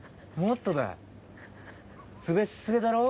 もっとだ！